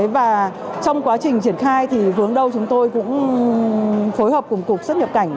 và trong quá trình triển khai thì vướng đâu chúng tôi cũng phối hợp cùng cục xuất nhập cảnh